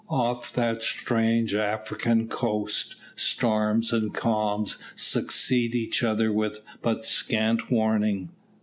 Off that strange African coast, storms and calms succeed each other with but scant warning.